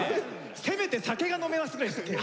せめて酒が飲めますぐらいにしとけよ。